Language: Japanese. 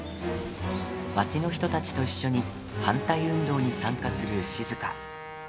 町の人たちと一緒に反対運動に参加する静。